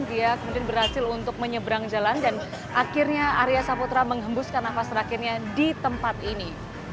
dia kemudian berhasil untuk menyeberang jalan dan akhirnya arya saputra menghembuskan nafas terakhirnya di tempat ini